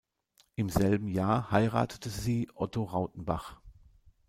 Im selben Jahr heiratete sie Otto Rautenbach.